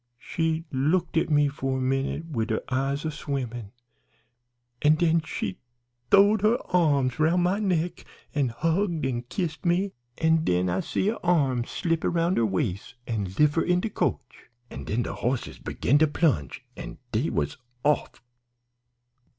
She looked at me for a minute wid her eyes a swimmin', an' den she th'owed her arms roun' my neck an' hugged an' kissed me, an' den I see an arm slip 'roun' her wais' an' lif her in de coach. Den de horses 'gin a plunge an' dey was off.